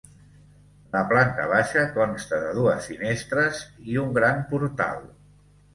La planta baixa consta de dues finestres i un gran portal.